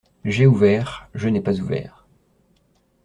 J’ai ouvert, je n’ai pas ouvert.